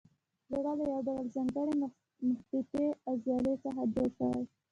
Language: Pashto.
زړه له یو ډول ځانګړې مخططې عضلې څخه جوړ شوی.